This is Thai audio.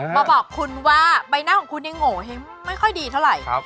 มาบอกคุณว่าใบหน้าของคุณยังโงเห้งไม่ค่อยดีเท่าไหร่